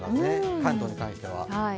関東に関しては。